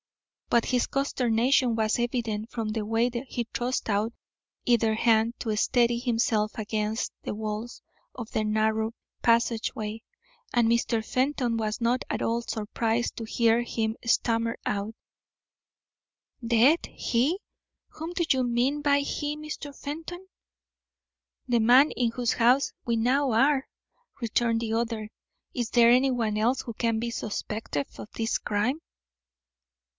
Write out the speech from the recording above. But his consternation was evident from the way he thrust out either hand to steady himself against the walls of the narrow passageway, and Mr. Fenton was not at all surprised to hear him stammer out: "Dead! He! Whom do you mean by he, Mr. Fenton?" "The man in whose house we now are," returned the other. "Is there anyone else who can be suspected of this crime?"